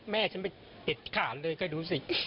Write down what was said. แม่ฉันไปเด็ดขาดเลยก็ดูสิ